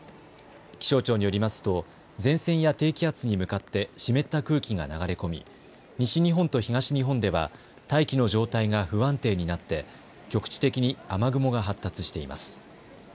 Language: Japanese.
気象庁によりますと前線や低気圧に向かって湿った空気が流れ込み、西日本と東日本では大気の状態が不安定になって局地的に雨雲が発達しています。